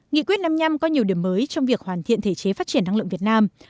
nghị quyết năm mươi năm có nhiều điểm mới trong việc hoàn thiện thể chế phát triển năng lượng việt nam